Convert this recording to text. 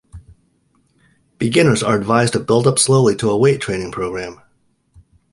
Beginners are advised to build up slowly to a weight training program.